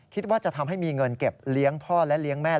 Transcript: คิดว่าจะทำให้มีเงินเก็บเลี้ยงพ่อและเลี้ยงแม่